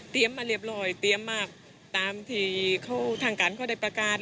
เตรียมมาเรียบร้อยเตรียมมาตามที่ทางการเขาได้ประกาศ